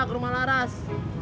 ke rumah laras